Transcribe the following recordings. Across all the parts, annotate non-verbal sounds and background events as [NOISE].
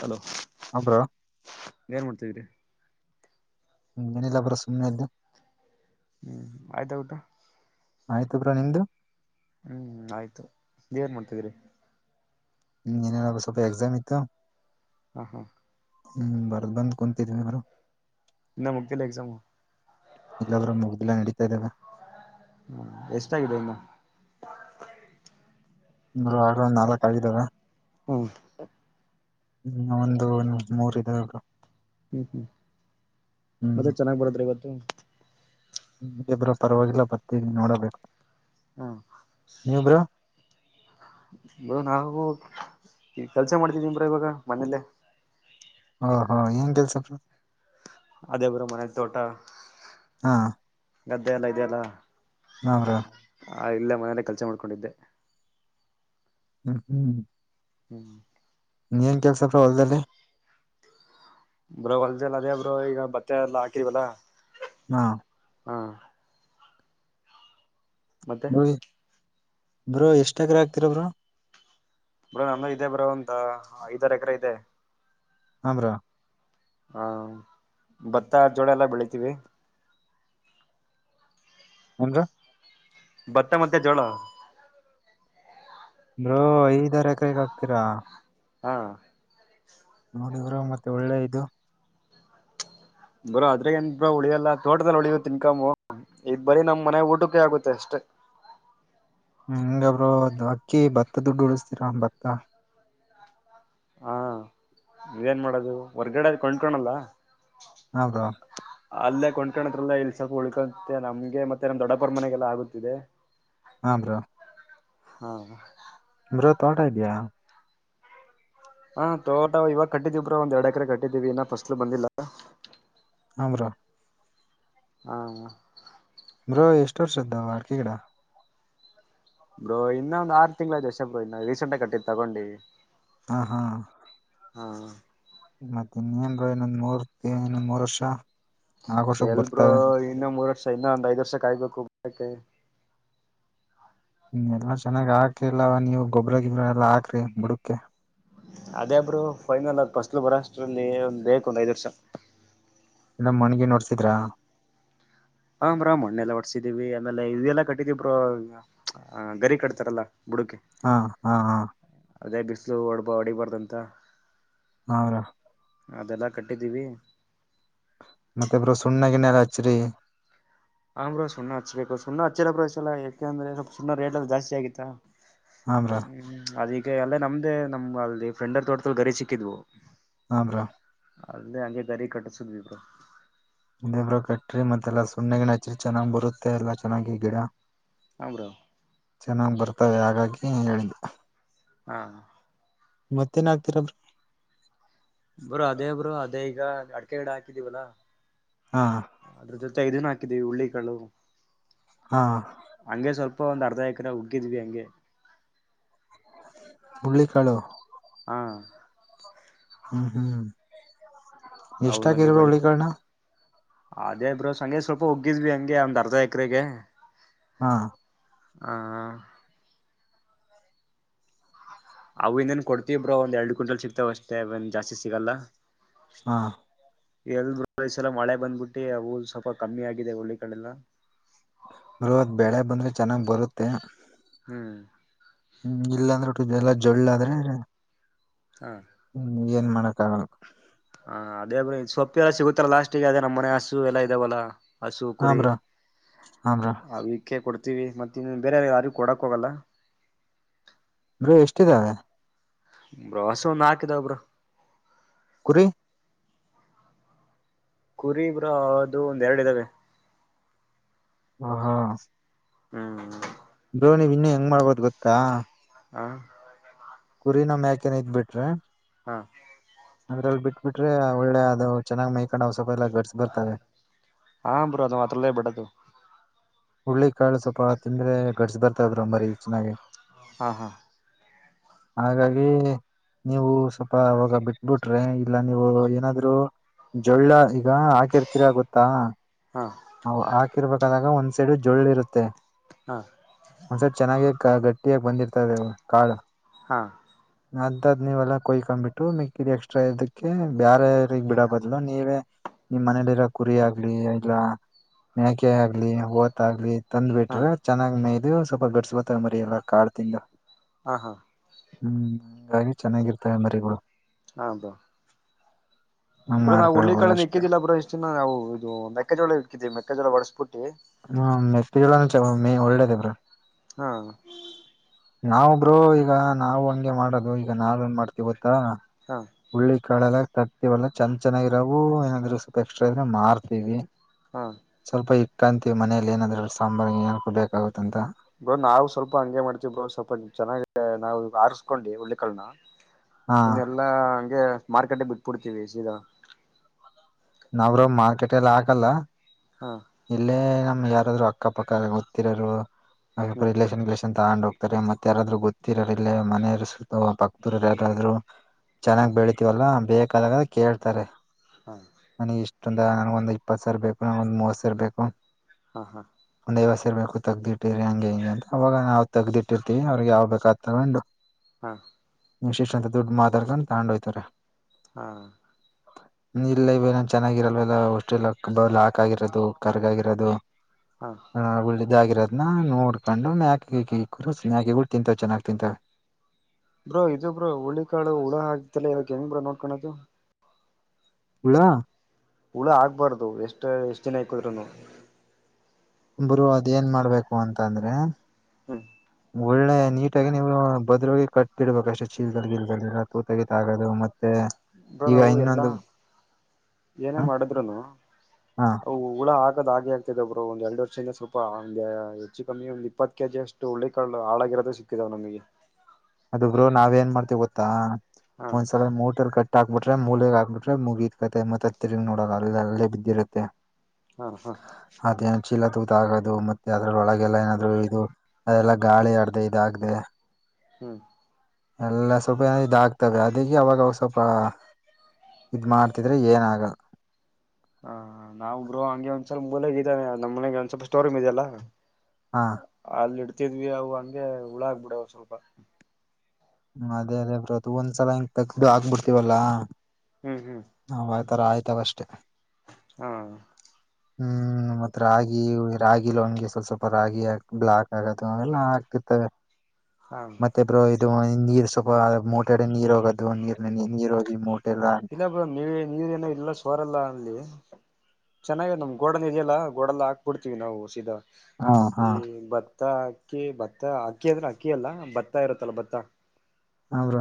Hello ಹ bro ಏನ್ ಮಾಡ್ತಿದ್ದೀರಿ ಏನಿಲ್ಲ ಬ್ರೋ ಸುಮ್ನೆ ಇದ್ದೆ ಹ್ಮ್ ಆಯ್ತಾ ಊಟ ಆಯ್ತು ಬ್ರೋ ನಿಮ್ದು ಹ್ಮ್ ಆಯ್ತು ನೀವ ಏನ್ ಮಾಡ್ತಿದ್ದೀರಿ ಹ್ಮ್ ಏನಿಲ್ಲ ಸ್ವಲ್ಪ ಎಕ್ಸಾಮ್ ಇತ್ತು ಹಾ ಹಾ ಹ್ಮ್ ಬರ್ದ್ ಬಂದ್ ಕುಂತಿದ್ವಿ ಅವರು ಇನ್ನ ಮುಗ್ದಿಲ್ಲ ಎಕ್ಸಾಮ್ ಇಲ್ಲ ಬ್ರೋ ಮುಗ್ದಿಲ್ಲ ನಡೀತಾ ಇದ್ದೆ ಹ್ಮ ಎಷ್ಟಾಗಿದೆ ಇನ್ನ ಬ್ರೋ ಆಗ್ಲೇ ಒಂದು ನಕ್ಳು ಆಗಿದಾವೆ ಹ್ಮ ಹ್ಮ ಒಂದು ಮೂರ ಇದ್ದವೇ ಬ್ರೋ ಹ್ಮ್ ಹ್ಮ್ ಮತ್ತೆ ಚೆನ್ನಾಗ್ ಬರದ್ರ ಇವತ್ತು ಹ ಬ್ರೋ ಪರವಾಗಿಲ್ಲ ಬರ್ದಿದಿನಿ ನೋಡಬೇಕು ಹ್ಮ ನೀವ್ ಬ್ರೋ ಬ್ರೋ ನಾವು ಈ ಕೆಲ್ಸ ಮಾಡ್ತಿದಿನಿ ಬ್ರೋ ಇವಾಗ ಮನೇಲ್ಲೇ ಹಾ ಹಾ ಏನ್ ಕೆಲಸ ಬ್ರೋ ಅದೇ ಬ್ರೋ ಮನೆ ತೋಟ ಹಾ ಗದ್ದೆ ಎಲ್ಲ ಇದೆಯಲ್ಲ ಹಾ ಬ್ರೋ ಆ ಇಲ್ಲೇ ಮನೇಲೆ ಕೆಲಸ ಮಾಡ್ಕೊಂಡಿದ್ದೆ ಹ್ಮ್ ಹ್ಮ್. ಹ್ಮ್ [INAUDIBLE] ಏನ್ ಕೆಲಸಪ್ಪ ಹೊಲದಲ್ಲಿ. ಬ್ರೋ ಹೊಲದಲ್ಲ ಅದೇ ಬ್ರೋ ಈಗ ಬತ್ತೆ ಎಲ್ಲ ಹಾಕಿದವಲ್ಲ. ಹಾ. ಹಾ. ಮತ್ತೆ. ಬ್ರೋ ಎಷ್ಟಕ್ರ ಆಗ್ತಿರ ಬ್ರ. ಬ್ರೋ ನಮ ಇದೆ ಬ್ರೋ ಒಂತ ಐದಾರ ಎಕರೆ ಇದೆ. ಹೂ ಬ್ರೋ ಹಾ ಭತ್ತ ಜೋಳ ಎಲ್ಲ ಬೆಳಿತೀವಿ. ಏನ್ ಬ್ರೋ. ಭತ್ತ ಮತ್ತೇ ಜೋಳ. ಬ್ರೋ ಐದಾರ ಎಕರೆಗೆ ಹಾಕ್ತೀರಾ. ಹಾ ನೋಡಿ ಬ್ರೋ ಮತ್ತೆ ಒಳ್ಳೆ ಇದು. ಬರೋ ಅದ್ರೆ ಏನ್ ಉಳಿಯಲ್ಲ ತೋಟದದಲ್ಲಿ ಉಳಿಯು ಇನ್ಕಾಮು ಈ ಬರೀ ನಮ್ ಮನೆ ಊಟಕ್ಕೆ ಆಗುತ್ತೆ ಅಷ್ಟೇ. ಹ [INAUDIBLE] ಹಿಂಗ ಬ್ರೋ ಅಕ್ಕಿ ಭತ್ತ ದುಡ್ಡು ಉಳಸ್ತೀರ ಭತ್ತ. ಹಾ ನೀವೇನ್ ಮಾಡೋದು ಹೊರ್ಗಡೆ ಕೊಂಡ್ಕಣಲ್ಲ. ಹ ಬ್ರೋ. ಅಲ್ಲೇ ಕೊಂಡ್ಕಣದ್ರಲ್ಲ ಇಲ್ಸೊಕ ಉಳ್ಕೊ ನಮ್ಗೆ ಮತ್ತೆ ನಮ್ ದೊಡ್ಡಪರ ಮನೆಗೆಲ್ಲ ಆಗುತ್ತಿದೆ. ಹಾ ಬ್ರೋ ಹಾ. ಬ್ರೋ ತೋಟ ಇದೆಯಾ. ಹಾ ತೋಟ ಇವಾಗ ಕಟ್ಟಿದಿವವ್ರ ಒಂದ್ ಎರಡ್ ಎಕರೆ ಕಟ್ಟಿದಿವವಿ ಇನ್ನ ಫಸ್ಟ್ಲ್ ಬಂದಿಲ್ಲ. ಹ ಬ್ರೊ. ಹ್ಮ ಬ್ರೊ ಎಷ್ಟ್ ವರ್ಷಾತ್ ಅಡಿಕೆಗಿಡಾ. ಬ್ರೋ ಇನ್ನೊಂದ್ ಆರು ತಿಂಗಳಾಯ್ತ ಅಷ್ಟೇ ಬ್ರೋ ಇನ್ನ ರೀಸೆಂಟ್ ಆಗ ಕಟ್ಟಿದ್ ತಗೊಂಡಿ. ಹ ಹಾ. ಹಾ ಮತ್ತೆ ಇನ್ ಏನ್ರ ಇನ್ನೊಂದ್ ಮೂರ್ ಇನ್ನೊಂದ್ ಮೂರ್ ವರ್ಷ. ನಾಲ್ಕು ವರ್ಷಕ್ ಎಲ್ ಬ್ರೊ ಬರ್ತಾವೆ ಇನ್ನ ಮೂರ್ ವರ್ಷ ಇನ್ನ ಒಂದ್ ಐದ್ ವರ್ಷ ಕಾಯ್ಬೇಕು ಹೋಗಕ. ಹ್ಮ ಎಲ್ಲಾ ಚೆನ್ನಾಗ್ ಹಾಕಿಲ್ಲವ ನೀವ್ ಗೊಬ್ಬ್ರ ಗಿಬ್ಬ್ರ ಎಲ್ಲಾ ಹಾಕ್ರಿ ಬುಡಕ್ಕೆ. ಅದೇಬ್ರೊ ಫೈನಲ್ ಅದ ಫಸ್ಲ್ ಬರೋಷ್ಟ್ರಲ್ಲಿ ಒಂದ್ ಬಕ್ ಒಂದ್ ಐದು ವರ್ಷ. ಎಲ್ಲ ಮಣಗ ನೋಡ್ಸಿದ್ರಾ. ಹ ಬ್ರೊ ಮಣ್ಣೆಲ್ಲ ಹೊಡಸಿದೀವಿ ಆಮೇಲೆ ಇವೆಲ್ಲಾ ಕಟ್ಟಿದೀವ್ರ ಗರಿ ಕಟ್ತಾರಲ್ಲಾ. ಹಾ ಹಾ ಹಾ. ಅದೇ ಬಿಸ್ಲು ಹೊಡ್ಬ ಹೊಡಿಬಾರ್ದಂತ. ಹ ಬ್ರೋ. ಅದೆಲ್ಲ ಕಟ್ಟಿದ್ದೀವಿ. ಮತ್ತೆ ಇಬ್ರು ಸುಣ್ಣಾ ನಿನ್ನ ಎಲ್ಲ ಹಚ್ಚ್ರರಿ [UNINTELLIGIBLE] ಹಂ ಬ್ರೊ ಸುಣ್ಣ ಹಚ್ಬೇಕು ಸುಣ್ಣ ಹಚ್ಚಿಲ್ಲ ಬ್ರೊ ಈಸಲ ಯಾಕೆಂದ್ರೆ ಸುಣ್ಣ ರೇಟ್ ಎಲ್ಲ ಜಾಸ್ತಿ ಆಗಿತ. ಹಾ ಬ್ರೋ ಹ್ಮ್ ಅದೀಗ ಅಲ್ಲೆ ನಮ್ದೇ ನಮ್ ಅಲ್ಲಿ ಫ್ರೆಂಡರ್ ತೋಟ್ದಲ್ಲಿ ಗರಿ ಸಿಕ್ಕಿದ್ವು. ಹ ಬ್ರೊ. ಅಲ್ಲೆ ಹಂಗೆ ಗರಿ ಕಟ್ಟಸುದ್ವಿಬ್ರೊ. ಇನ್ನೇನ್ ಬ್ರೊ ಕಟ್ರಿ ಮತ್ತಿ ಸುಣ್ಣಗಿಣ್ಣ ಎಲ್ಲ ಹಚ್ರಿ. ಚೆನ್ನಾಗಿ ಬರುತ್ತೆ ಎಲ್ಲ ಚೆನ್ನಾಗಿ ಗಿಡ. ಹ ಬ್ರೋ ಚೆನ್ನಾಗಿ ಬರ್ತವೆ ಹಾಗಾಗಿ ಹೇಳಿದ್ದ. ಹಾ ಮತ್ತೇನ್ ಆಕ್ತೀರಬ್ರೊ ಬ್ರೋ ಅದೇ ಬ್ರೋ ಅದೇ ಈಗ ಅಡಕೆ ಗಿಡ ಹಾಕಿದೀವಲ್ಲಾ ಹಾ ಅದ್ರ ಜೊತೆ ಇದುನು ಹಾಕಿದೀವಿ ಹುಳ್ಳಿಕಾಳು ಹಾ ಹಂಗೆ ಸ್ವಲ್ಪ ಒಂದ್ ಅರ್ಧ ಎಕರೆ ಉಗ್ಗಿದ್ವಿ ಹಂಗೆ ಹುಳ್ಳಿಕಾಳು ಹಾ ಹ್ಮ್ ಹ್ಮ್ ಎಷ್ಟ ಅವನ್ ಹಂಗೆ ಆಕಿರ ಬೆಳಿ ಉುಳಿಕಾಲ್ನ ಅದೇ ಬ್ರೋ ಹಂಗೆ ಸ್ವಲ್ಪ ಒಗ್ಗಿದ್ವಿ ಹಂಗೆ ಒಂದ್ ಅರ್ಧ ಎಕರೆಗೆ ಹಾ ಆ ಅವು ಇನ್ನೇನ್ ಕೊಡ್ತೀವ್ರೋ ಒಂದ್ ಎರಡ್ ಕ್ವಿಂಟಲ್ ಸಿಕ್ತಾವ ಅಷ್ಟೇ ಅವೇನ್ ಜಾಸ್ತಿ ಸಿಗಲ್ಲ ಹಾ ಎಲ್ ಬ್ರೊ ಈ ಸಲ ಮಳೆ ಬಂದ್ಬಿಟ್ಟಿ ಅವು ಸ್ವಲ್ಪ ಕಮ್ಮಿ ಆಗಿದೆ ಹಳ್ಳಿಕಾಲೆಲ್ಲ ಬ್ರೊ ಬೆಳೆ ಬಂದ್ರೆ ಚೆನ್ನಾಗ್ ಬರುತ್ತೆ ಹ್ಮ್ ಹ್ಮ್ ಇಲ್ಲಾಂದ್ರೆಟ್ಟ ಎಲ್ಲಾ ಜಳ್ಳಾದ್ರೆ ಹ್ಮ ಹ್ಮ್ ಏನ್ ಮಾಡಕ್ಕಾಗಲ್ಲ ಹಾ ಅದೇ ಬ್ರೊ ಸೊಪ್ಪೆಲ್ಲ ಸಿಗುತ್ತಲ್ಲ ಲಾಸ್ಟಿಗೆ ಅದೇ ನಮ್ಮ ಮನೆ ಹಸು ಎಲ್ಲ ಇದೆ ಹಸು ಹಾ ಕುರಿ ಬ್ರೋ ಹಾ ಬ್ರೋ ಅವಿಕ ಕೊಡ್ತ ಮತ್ತೆ ಇ ಬೇರೆ ಯಾರಿಗ ಕೊಡಕ್ ಹೋಗಲ್ಲ ಬ್ರೊ ಎಷ್ಟಿದ್ದಾವೆ ಬ್ರೊ ಹಸು ನಾಕಿದಾವ ಬ್ರೊ ಕುರಿ ಕುರಿ ಬ್ರೊ ಅದು ಒಂದ್ ಎರಡು ಇದ್ದಾವೆ ಹ ಹಾ ಹ್ಮ್್ಮ ಬ್ರೋ ಇನ್ನು ಹೆಂಗ್ ಮಾಡ್ಬೋದು ಗೊತ್ತಾ ಹ [UNINTELLIGIBLE] ಕುರಿ ನ್್ಯಾಕೆಏನ ಇದ್ ಬಿಟ್ರೆ ಹಾ ಅದ್ರಲ್ಲಿ ಬಿಟ್ ಬಿಿಟ್ರೆ ಒಳ್ಳೆ ಅದು ಚೆನ್ನಾಗ ಮೈಕೊಂಡ್ ಪಹ ಗರ್ಸ್ ಬರ್ತಾವೇ ಹಾ ಬ್ರೋ ಅದು ಮಾತ್ರಲ್ಲೇ ಬಿಡದು ಹುಳ್ಳಿ ಕಾಳು ಸ್ವಲ್ಪ ತಿಂದ್ರೆ ಗಡ್ಸ್ಿ ಬರ್ತಾ ಬ್ರಂಬರಿೀ ಚೆನ್ನಾಗಾಗಿ ಹಾ ಹಾ ಹಾಗಾಗಿ ನೀವು ಸ್ವಲ್ಪ ಅವಾಗ ಬಿಟ್ಬಿಟ್ರೆ ಇಲ್ಲ ನೀವು ಏನಾದ್ರು ಜೋೊಳ್ಳ ಈಗ ಹಾಕಿರ್ತರ ಗೊತ್ತಾ ಹಾ ಹಾಕಿರ್ಬೇಕಾದಾಗ ಒಂದು ಸೈಡ್ ಜೋಳ್ಳ ಇರುತ್ತೆ ಹಾ ಒಂದ್ಸೈಡ್ ಚೆನ್ನಾಗಿ ಗಟ್ಟಿಯಾಗಿ ಬಂದಿರ್ತದೆ ಕಾಳ ಹಾ.. ಅದದ್ ನೀವಲ್ಲ ಕೊಯ್ಕೊಂಡ್ಬಿಟ್ಟು ಮಿಕ್ಕಿಲಿ ಎಕ್ಸ್ಟ್ರಾ ಇದಕ್ಕೆ ಬೇರೆಗ್ ಬಿಡ ಬದ್ಲು ನೀವೇ ನಿಮ್ ಮನೇಲಿರೋ ಕುರಿ ಆಗ್ಲಿ ಇಲ್ಲ ಮೆಣಕೆ ಆಗ್ಲಿ ಓತ್ ಆಾಗ್ಲಿ ತಂದ್ ಹಾ ಬಿಟ್ರ ಚೆನ್ನಾಗ್ ಮೇಲ್ ಸ್ವಲ್ಪ ಗಡ್ಸ್ ಬತ್ತ ಮರಿ ಎಲ್ಲ ಕಾಡ್ ತಿಂಗ ಹ ಹಾ ಹ್ಮ್ ಹಂಗಾಗಿ ಚೆನ್ನಾಗಿರ್ತವೆ ಮರಿಗಳು ಹದು [UNINTELLIGIBLE] ಹಂಗ್ ಬ್ರ ನಾವು ಮಾಡ್ಕೊಳ್ಬೋದು ಹುಳ್ಳಿಾಳನ ಅಷ್ಟೆ ಇಕ್ಕಿದಿಲ್ಲ ಬ್ರ ಇಷ್ಟಿನ ನಾವು ಇದು ಮೆಕ್ಕೆಜೋಳ ಇಕ್ಕಿದವಿ ಮೆಕ್ಕೆಜೋಳ ಬಡಸ್ಬಿಟ್ಟು ಹ್ಮ ಮೆತ್ತ ಮ ಒಳ್ಳೇದ ಬ್ರ ಹಾಂ ನಾವ ಬ್ರೋ ಈಗ ನಾವು ಹಂಗೆ ಮಾಡೋದು ಈಗ ನಾವ ನ್ ಮಾಡ್ತಿ ಗೊತ್ತಾ ಹಾ ಕಳೆಲ ತತತಿವಲ್ಲ ಚಂದ ಚೆನ್ನಾಗಿರಾವು ಏನಾದ್ರರು ಸ್ವಲ್ಪ ಎಕ್ಸ್ಟ್ರಾ ಇದ್ರೆ ಮಾರ್ತೀವಿ. ಹಾ ಸ್ವಲ್ಪ ಇಟ್ಟಂತೀವಿ ಮನೇಲಿ ಏನಾದ್ರೂ ಸಾಂಬಾರ್ಏಕು ಬೇಕಾಗುತ್ತ ಅಂತ. ಬ್ರೋ ನಾವು ಸ್ವಲ್ಪ ಹಂಗೆ ಮಾಡ್ತೀವಿ ಬೋ ಸ್ವಲ್ಪ ಚೆನ್ನಾಗ ನಾವು ಆಸ್ಕೊಂಡಿ ಹಳ್ಳಿ ಕನ್ನ ಹಾ ಇನ್ನೆಲ್ಲಾ ಹಂಗೆ ಮಾರ್ಕೆಟ್ಗೆ ಬಿಟ್ಬಿಡ್ತೀವಿ ಸೀದಾ ನಾವರು ಮಾರ್ಕೆಟ್ ಎಲ್ಲ ಹಾಕಲ್ಲ ಹಾ ಇಲ್ಲೇ ಯಾರಾದ್ರು ಅಕ್ಕಪಕ್ಕ ಗೊತ್ತಿರೋರು ಹ್ಮ್ ರಿಲೇಷನ್ ಲೇಷನ್ ತಾಂಡ್ ಹೋಗ್ತಾರೆ ಮತ್ತೆ ಯಾರಾದ್ರು ಗೊತ್ತಿರೋರ್ಲ್ಲ ಮನೆಯರು ಸುತ್ತ ಭಕ್ತರು ಯಾರಾದ್ರು ಹಾ ಚೆನ್ನಾಗ್ ಬೆಳತಿವಲ್ಲ ಬೇಕಾದಾಗ ಕೇಳ್ತಾರೆ. ಹ ನನಗ್ ಇಷ್ಟೊಂದ ನನ್ಗ ಒಂದ್ ಇಪ್ಪತ್ತು ಸಾವಿರ ಬೇಕು ನನ ಒಂದ್ ಮೂವ ಸಾವಿರ ಬೇಕು ಹಾ ಹಾ ದೇವಸ ಇರ್ ಬು ತೆಗ್ದಿಟ್ಟಿರಿ ಹಂಗೆ ಹಿಂಗೆ ಅಂತ ಅವಾಗ ನಾವವು ತಗ್ದಿಟ್ಟಿರ್ತಿವಿ ಅವ್ರಿಗೆ ಯಾವ್ ಬೇಕ ಅ ತಗೊಂಡು ಹಾ ವಿಶೇಷ ಅಂತ ದುಡ್ಡು ಮಾತಾಡ್ಕೊಂಡು ತಗೊಂಡುಯ್ತಾರೆ. ಹಾ ಇಲ್ಲ ಇವನ್ ಚೆನ್ನಾಗಿರಲ್ವಲ್ಲಷ್ಟೆ ಬ ಹಾಕ ಆಗಿರೋದು ಕರ್ಗಾಗಿರೋದು ಹಾ ಒಳ್ಳಿದಾಗಿರತ್ ನೋಡ್ಕೊಂಡು ಮಕ ಸ್ನಕಿಗಳು ತಿಂತಾವ ಚೆನ್ನಾಗ್ ತಿಂತಾವ ಬ್ರೋ ಇದು ಬ್ರೋ ಹುಳ್ಳಿ ಕಾಳು ಹುಳ ಆಗತ್ತಲ್ಲಾ ಇವಾಗ ಹೆಂಗ್ ಬ್ರೋ ನೋಡ್ಕೊಳದು. ಹುಳ ಹುಳ ಆಗ್ಬಾರ್ದು ಎಷ್ಟ ಎಷ್ಟ್ ದಿನ ಇಕ್ಕಿದ್ರೂನು ಬರು ಅದ ಏನ್ ಮಾಡ್ಬೇಕು ಅಂತ ಅಂದ್ರೆ ಹ್ಮ್ ಒಳ್ಳೆ ನೀಟಾಗಿ ನೀವು ಬದ್ರಗೆ ಕಟ್ಬಡ್ಬೇಕ ಅಷ್ಟೆ ಚೀಲ್ದಲ್ಲಿ ಗಿಲ್ದಲ್ಲಿಲ್ಲ ತೂತಗತ ಆಗೋದು ಮತ್ತೆ ಬ್ರ ಈಗ ನಾವು ಎಲ್ಲಾ ಇನ್ನೊಂದು ಏನೇ ಹ ಮಾಡಿದ್ರುನು ಹಾ ಅ ಹುಳ ಹಾಕ ಹಾಗೆ ಆಗ್ತಿದೆ ಬ್ರೋ ಒಂದ್ ಎರಡು ವರ್ಷದಿಂದ ಸ್ವಲ್ಪ ಹೆಚ್ಚು ಕಮ್ಮಿ ಒಂದು ಇಪ್ಪತ್ತು ಕೆ ಜಿ ಅಷ್ಟುಳ್ಳ ಕಳ್ಳು ಹಳಾಗ ತೆ ಸಿಕ್ಕದ ಒನೊಮಗೆ ಅದುಬ್ರು ನಾವ ಏನ್ ಮಾಡ್ತೇವಿ ಗೊತ್ತಾ ಹಾ ಒಂದ್ಸಲ ಮೋಟರ್ ಕಟ್ಟ ಹಾಕ್ಬ ಬಿಟ್ರೆ ಮೂಲೆಗ್ ಹಾಕ್ಬಿಟ್ರೆ ಮುಗಿ ಇ್ಕತ್ತತೆ ಮತ್ತತ್ ತಿರುಗ ನೋಡ ಅಲ್ಲ ಬಿದ್ದಿರುತ್ತೆ ಹಾ ಹಾ ಅದೇನ್ ಚೀಲ ತೂತ ಆಗೋದು ಮತ್ತೆ ಅದ್ರೊಳಗೆಲ್ಲ ಏನಾದ್ರು ಇದು ಅದೆಲ್ಲ ಗಾಳಿ ಅಡ್ದ ಇದಾಗದೆ ಹ್ಮ್ ಎಲ್ಲ ಸ್ವಲ್ಪ ಏನ ಇದ ಆಕ್ತವೆ ಅದಕ್ಕೆ ಅವಾಗ ಸ್ವಲ್ಪ ಇದ್ ಮಾಡಾತಿದ್ರೆ ಏನಾಗಲ್ಲ ಹ ನಾಬ್ರು ಹಂಗೆ ಒಂದ್ ಸ್ವಲ್ಪ ಮೂಲೆಗ ಇದ್ದಾನೆ ನಮ್ಮ ಮನೆಗೆ ಒಂದ ಸ್ವಲ್ಪ ಸ್ಟೋರಮ್ ಇದದೆಲ್ಲ ಹಾ ಅಲ್ಲಿ ಇಡ್ತಿದ್ವಿ ಅವು ಹಗೆ ಹುಳಾಗಬಿಡವು ಸ್ವಲ್ಪ ಅದೇ ಅದೇ ಬ್ರತ್ ಒಂದ್ಸಲ ಹಿಂಗ ತಗದುು ಆಗ್ಕ್ಬಿಡ್ತೀವಲ್ಲಾ ಹ್ಮ್ ಹ್ಮ್ ನ್ತರ ಆಯ್ತಾವಷ್ಟೆ ಹಾ ಹ್ಮ್ ಮತ್ ರಾಗಿ ರಾಗಿ ಲಣಗೆ ಸ್ವಲ್ಪ ಸ್ವಲ್ಪ ರಾಗಿ ಬ್ಲಾಕ್ ಆಗ ಅವೆಲ್ಲಾ ಹಾಕ್ತಿರ್ತವೆ ಹಾ ಮತ್ತೆ ಬೋಹಿತ್ ಇದು ನೀರ್ ಸ್ವಲ್ಪ ಮೋಟೆ ಅಡೆ ನೀರು ಹೋಗೋದು ನೀರ್ನಲ್ಲಿ ನೀರು ಹೋಗಿ ಎಲ್ಲ ಇಲ್ಲ ಬ್ರೋ ನೀ ನೀರ್ ಏನೋ ಇಲ್ಲ ಸೋರಲ್ಲ ಅಲ್ಲಿ ಚೆನ್ನಾಗ ನಮ್ ಗೋಡನ್ ಇದೆಯಲ್ಲಾ ಗೋಡೆಲ್ಲ ಹಾಕ್ಬಿಡ್ತೀವಿ ನಾವು ಸೀದಾ ಹಾ ಹಾ ಈ ಬತ್ತ ಭತ್ತ ಅಕ್ಕಿ ಭತ್ತ ಅಕ್ಕಿ ಅಂದ್ರೆ ಅಕ್ಕಿ ಅಲ್ಲ ಭತ್ತ ಇರುತ್ತಲ್ಲ ಭತ್ತ ಅ ಬ್ರೋ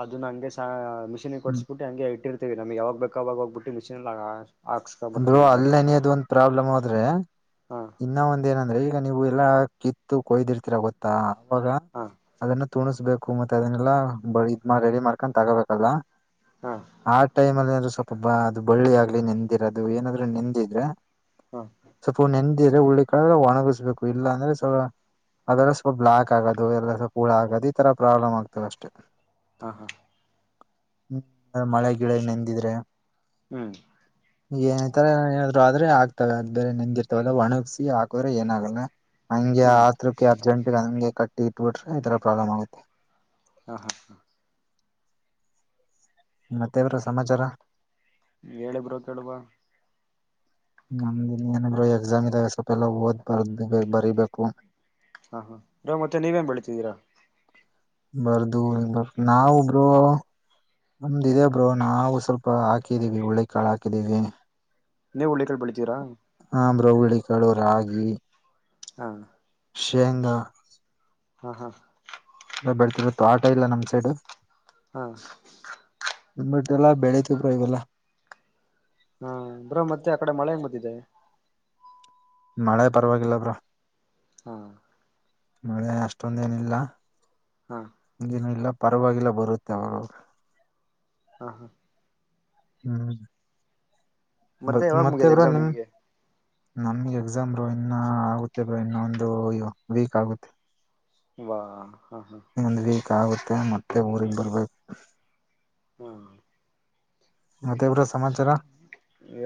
ಅದನ್ನ ಹಂಗೆಹ ಮಿಷಿನ್ಗೆ ಕೊಟ್ಟಿಸಸ್ಬಿಟ್ಟಿ ಹಂಗೆ ಇಟ್ಟಿರ್ತೀವಿ ನಮ್ ಯಾವಾಗ ಬೇಕಕ್ ಅವಾಗ ಹೋಗ್ಬಿಟ್ಟು ಮಿಷಿನ್ ಹಾಕ್ಸ್ಕೊ ಅಂದ್ರು ಬರ್ತೀವಿ ಅಲ್ಲಿ ಭತ್ತ ನನದು ಒಂದ್ ಪ್ರಾಬ್ಲಮ್ ಆದದ್ರೆ ಹಾ ಇನ್ನ ಒಂದ ಏನಂದ್ರೆ ಈಗ ನೀವು ಎಲ್ಲಾ ಕಿತ್ತು ಕೊಯ್ದಿರ್ತೀರ ಗೊತ್ತಾ ಅವಾಗ ಹಾ ಅದನ್ನು ತುಣಸ್ಬೇಕು ಮತ್ತೆ ಅದನ್ನೆಲ್ಲ ಬ ಇದ್ಮ ರೆಡಿ ಮಾಡ್ಕೊಂಡ ತಗೋಬೇಕಲ್ಲ ಹಾ ಆ ಟೈಮ್ ಅಲ್ಲಿ ಏಂದ್ರರು ಸ್ವಲ್ಪೊಬ್ಬಾ ಅದು ಬಳ್ಳಿ ಆಗ್ಲಿ ನೆಂದಿರೋದು ಏನಾದ್ರೂ ನೆಂದಿದ್ರೆ ಹಾ ಹಳ್ಳಿ ಕಳ್ರೆ ಒಣಗಿಸ್ಬೇಕು ಇಲ್ಲ ಅಂದ್ರೆ ಸ ಅದೆ್ರಲ್ಲ ಸ್ವಲ್ಪ ಬ್ಲ್ಲಾಕ್ ಆಗೋದು ಎಲ್ಲ ಸ್ವಲ್ಪ ಹುಳ ಆಗೋದು ಈ ತರ ಪ್ರಾಬ್ಲಮ್ ಆಗ್ತದ ಅಷ್ಟೆ ಹಾ ಹಾ ಹ್ಮ ಮಳೆ ಗಿಡ ನೆಂದಿದ್ರೆ ಹ್ಮ್ ಏನ ಈ ತರ ಹೇಳಿದ್ರು ಆದ್ರೆ ಆಗ್ತವೆ ಅ ಬೇರೆ ನಂದಿರ್ತವಲ್ಲ ಒಣಗ್ಸಿ ಹಾಕದ್ರೆ ಏನಾಗಲ್ಲ ಹಂಗೆ ಹ್ಮ್ ಆಸ್ತ್ರಕ್ಕೆ ಅರ್ಜೆಂಟ್ ಹಂಗೆ ಕಟ್ಟಿ ಇಟ್ಬಿಟ್ರೆ ಈ ತರ ಪ್ರಾಬ್ಲಮ್ ಆಗುತ್ತೆ ಹಾ ಹಾ ಹ ಮತ್ತೆವರ ಸಮಾಚಾರ ಹೇಳಿಬ್ರೋ ಕೇಳುವ ನಮಿನ ಏನಾದ್ರು ಎಕ್ಸಾಮ್ ಇದಾವೆ ಸ್ವಲ್ಪ ಎಲ್ಲ ಓದ್ ಬರ್ ಬರೀಬೇಕು ಹಾ ಹಾ ರ ಮತ್ತೆ ನೀವೇನ್ ಬೆಳತಿದ್ದೀರಾ ಬರ್ದು ಬರ್ ನಾವು ಬ್ರು ನಮ್ದಿದಬ್ರು ನಾವು ಸ್ವಲ್ಪ ಹಾಕಿದೀವಿ ಉಳ್ಳಿ ಕಾಳು ಹಾಕಿದೀವಿ ನೀವು ಹುಳಿ ಕಾಳು ಬೆಳಿತೀರಾ ನಂಬ್ರ ಹುಳಿ ಕಳ ರಾಗಿ ಹಾ ಶೇಂಗ ಹ್ಮ ಹಾ ಎಲ್ಲ ಬೆಡ್ತಿರುತ್ತತ್ತು ತೋಟ ಇಲ್ಲ ನಮ್ ಸೈಡ್ ಹ್ಮ ನಿಮ್ಮ್ಬಿಟ್ಟ ಎಲ್ಲ ಬೆಳೆತಿಗ ಇದೆಲ್ಲ ಹಾ ಬ್ರ ಮತ್ತೆ ಆ ಕಡೆ ಮಳೆ ಹೆಂಗ್ ಬತ್ತಿದೆ ಮಳೆ ಪರವಾಗಿಲ್ಲಬ್ರ ಹಾ ಮಳೆ ಅಷ್ಟೊಂದೇಏನಿಲ್ಲೇನ ಹಾ ಇಲ್ಲ ಪರವಾಗಿಲ್ಲ ಬರುತ್ತೆ ಅವ ನಾ ಹಾ ಹಾ ಹ್ಮ್ ಮತ್ತೆ ಯಾವಾಗ ಮುಗಿದೆ ಮತ್ತೆಬ್ರ ಎಕ್ಸಾಮ್ ನಿಮ ನಿಮಗೆ ನಮ್ಗೆ ಎಕ್ಸಾಮ ರ ಇನ್ನ ಆಗುತ್ತೆ ಬ ಇನ್ನ ಒಂದು ವೀಕ್ ಆಗುತ್ತೆ ವಾ ಹಾ ಹಾ ಒಂದು್ ವೀಕ್ ಆಗುತ್ತೆ ಮತ್ತೆ ಊಗ್ ಬರ್ಬೇಕು ಹ್ಮ ಮತ್ತೆ ಬ್ರೋ ಸಮಾಚಾರ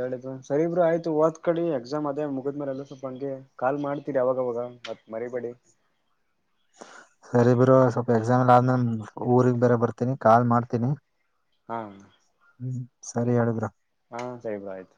ಎಳ ಸರಿ ಬ್ರ ಆಯ್ತು ವತ ಕಡಿ ಮದ ಮುಗಿದ್ ಮಾರ ಎಲ್ಲ ಸ್ವಲ್ಪ ಹಂಗೆ ಕಾಲ್ ಮಾಡ್ತೀರಿ ಅವಾಗ ಅವಾಗ ಮತ್ ಮರಿಬೇಡಿ ಸರಿ ಬರು ಸ್ವಲ್ಪ ಎಕ್ಸಾಮಲ್ ಆದ್ಮೇಲೆ ಊರಿಗ್ ಬೇರೆ ಬರ್ತೀನಿ ಕಾಲ್ ಮಾಡ್ತೀನಿ ಹಾ ಹ್ಮ್ ಸರಿ ಹೇಳಬ್ರಾ ಹಾ ಸರಿಬ ಆಯ್ತು